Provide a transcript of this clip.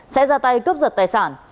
sẽ ra tay cướp giật tài sản